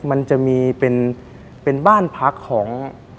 มันจะมีเป็นบ้านพักของ